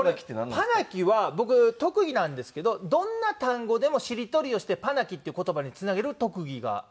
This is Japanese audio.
「パナキ」は僕特技なんですけどどんな単語でもしりとりをして「パナキ」っていう言葉につなげる特技があるんですよ。